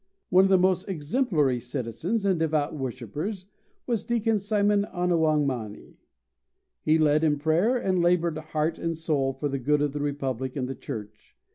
One of the most exemplary citizens and devout worshippers was deacon Simon Ana wang ma ni. He led in prayer, and labored heart and soul for the good of the republic and the church.